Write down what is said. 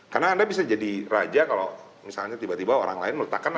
karena anda bisa jadi raja jika tiba tiba orang lain meletakkan anda